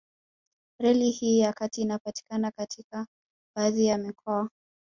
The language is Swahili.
Reli hii ya kati inapita katika baadhi ya mikoa